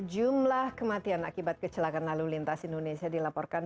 jumlah kematian akibat kecelakaan lalu lintas indonesia dilaporkan